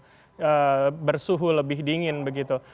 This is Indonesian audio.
untuk tidak mengkonsumsi sesuatu yang bersuhu lebih dingin begitu